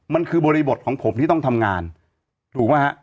มันคือบริบทของผมที่ต้องทำงานถูกไหมฮะ